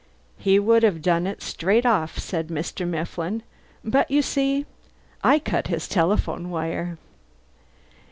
"He would have done it straight off," said Mifflin, "but you see, I cut his telephone wire!"